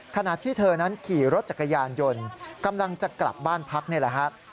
ขณะที่เธอนั้นขี่รถจักรยานยนต์กำลังจะกลับบ้านพักนี่แหละฮะ